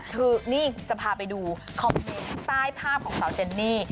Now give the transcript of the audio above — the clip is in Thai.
คือนี่จะพาไปดูคอมเมนต์ใต้ภาพของสาวเจนนี่